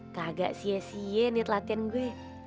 kagak sia sia lihat latihan gue